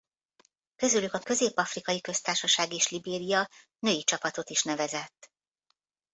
Közülük a Közép-afrikai Köztársaság és Libéria női csapatot is nevezett.